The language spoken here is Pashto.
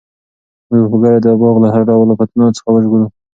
موږ به په ګډه دا باغ له هر ډول آفتونو څخه وژغورو.